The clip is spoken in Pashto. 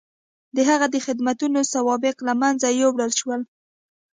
د هغه د خدمتونو سوابق له منځه یووړل شول.